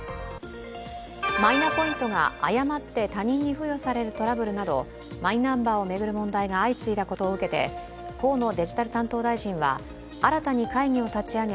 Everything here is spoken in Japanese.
マイナポイントが誤って他人に付与されるトラブルなどマイナンバーを巡る問題が相次いだことを受けて河野デジタル担当大臣は新たに会議を立ち上げ